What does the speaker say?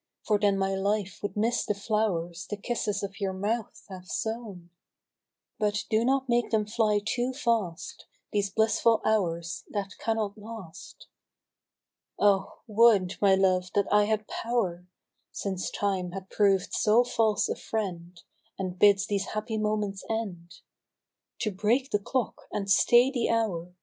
For then my life would miss the flowVs The kisses of your mouth have sown : But do not make them fly too fast These blissful hours that cannot last. Oh 1 would, my love, that I had pow^r, (Since Time has proved so false a friend, And bids these happy moments end). To break the clock and stay the hour.